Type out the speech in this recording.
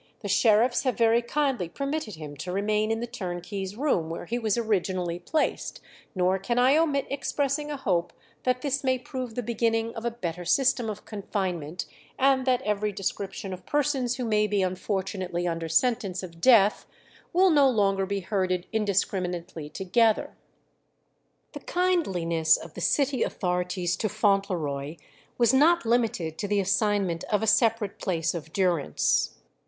The sheriffs have very kindly permitted him to remain in the turnkey's room where he was originally placed; nor can I omit expressing a hope that this may prove the beginning of a better system of confinement, and that every description of persons who may be unfortunately under sentence of death will no longer be herded indiscriminately together." The kindliness of the city authorities to Fauntleroy was not limited to the assignment of a separate place of durance.